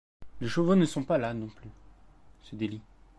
Les chevaux ne sont pas là, non plus! se dit Lî.